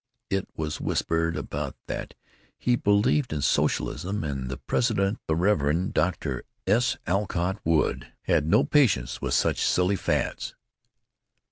It was whispered about that he believed in socialism, and the president, the Rev. Dr. S. Alcott Wood, had no patience with such silly fads.